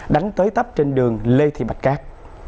đánh tới tấp trên đường lê thị bạch cát